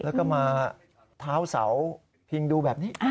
แล้วก็มาเท้าเสาพิงดูแบบนี้